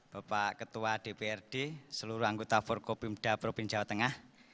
bapak ketua dprd seluruh anggota forkopimda provinsi jawa tengah